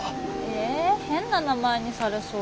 え変な名前にされそう。